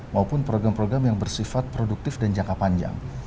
maupun program program yang bersifat produktif dan jangka panjang